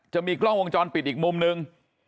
จะมีกล้องวงจรปิดอีกมุมนึง